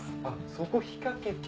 そこ引っ掛けて。